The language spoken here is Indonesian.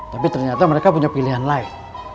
tapi ternyata mereka punya pilihan lain